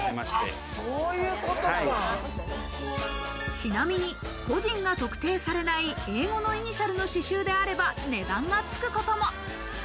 ちなみに、個人が特定されない英語のイニシャルの刺繍であれば値段がつくことも。